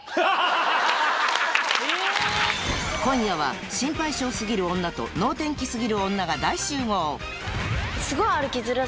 今夜は心配性すぎる女と能天気すぎる女が大集合すごい。